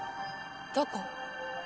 どこ？